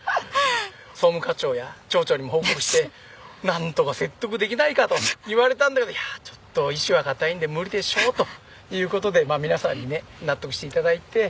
総務課長や町長にも報告して「なんとか説得できないか」と言われたんだけど「いやちょっと意思は固いんで無理でしょう」という事で皆さんにね納得して頂いて。